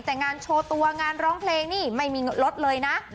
แต่งานโชว์ตัวงานร้องเพลงนี่ไม่มีลดเลยนะ